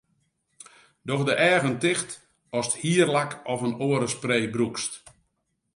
Doch de eagen ticht ast hierlak of in oare spray brûkst.